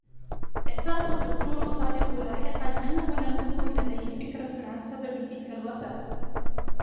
اعترف الدّكتور صادق لاحقا أنّه لم تكن لديه فكرة عن سبب تلك الوفاة.